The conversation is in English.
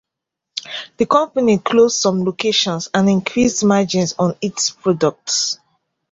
The company closed some locations and increased margins on its products.